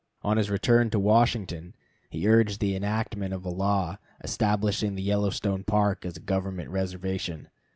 ] On his return to Washington he urged the enactment of a law establishing the Yellowstone Park as a government reservation.